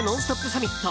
サミット。